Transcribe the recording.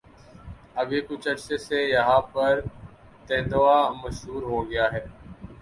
اب یہ کچھ عرصے سے یہاں پہ تیندوا مشہور ہوگیاہے